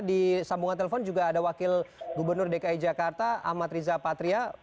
di sambungan telepon juga ada wakil gubernur dki jakarta ahmad riza patria